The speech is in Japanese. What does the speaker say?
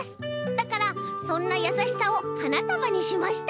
だからそんなやさしさをはなたばにしました。